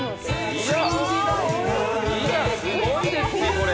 いやいやすごいですねこれ。